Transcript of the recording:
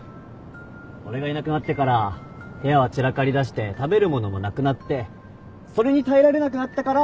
俺がいなくなってから部屋は散らかりだして食べる物もなくなってそれに耐えられなくなったから。